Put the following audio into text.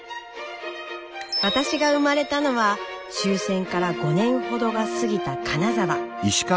私が生まれたのは終戦から５年ほどが過ぎた金沢。